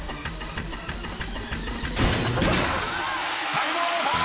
［タイムオーバー！］